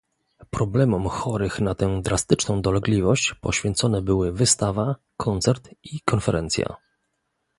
Problemom chorych na tę drastyczną dolegliwość poświęcone były wystawa, koncert i konferencja